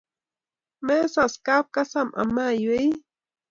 Mesas kap kasam amaiwe i